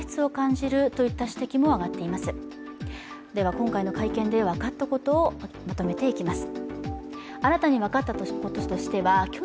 今回の会見で分かったことをまとめていきます。